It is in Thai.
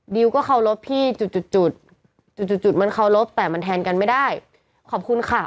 ดิวก็เคารพพี่จุดมันเคารพแต่มันแทนกันไม่ได้ขอบคุณค่ะ